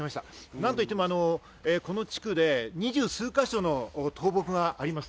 なんといってもこの地区で２０数か所の倒木があります。